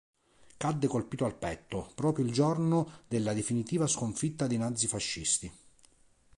Cadde, colpito al petto, proprio il giorno della definitiva sconfitta dei nazifascisti.